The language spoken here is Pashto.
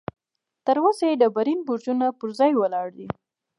تر اوسه یې ډبرین برجونه پر ځای ولاړ دي.